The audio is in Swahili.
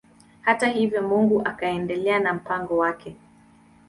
Hata hivyo Mungu akaendelea na mpango wake.